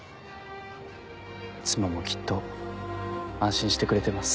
妻もきっと安心してくれてます。